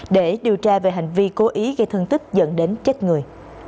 để điều tra về hành vi cố ý gây thương tích dẫn đến chết người